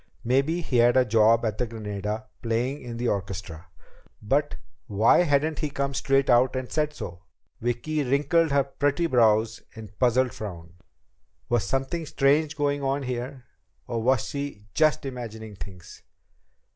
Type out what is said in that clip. Maybe he had a job at the Granada playing in the orchestra. But why hadn't he come straight out and said so? Vicki wrinkled her pretty brows in a puzzled frown. Was something strange going on here? Or was she just imagining things?